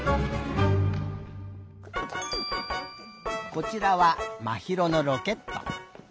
こちらはまひろのロケット。